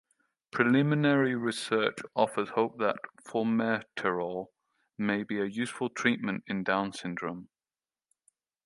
Preliminary research offers hope that formoterol may be a useful treatment in Down syndrome.